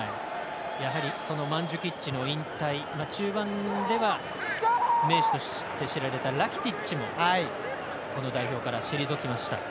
やはりマンジュキッチの引退中盤では名手として知られたラキティッチも代表から退きました。